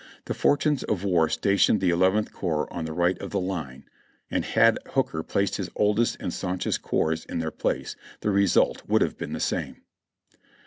The fortunes of war sta tioned the Eleventh Corps on the right of the line, and had Hooker placed his oldest and staunchest corps in their place, the result would have been the same."